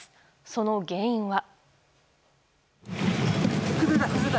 その原因は。